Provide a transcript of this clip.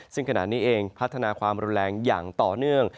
ซึ่งขณะนี้เองพัฒนาความรุนแรงอย่างต่อเนื่อง